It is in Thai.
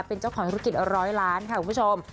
เป็นเจ้าของธุรกิจร้อยล้านค่ะคุณผู้ชม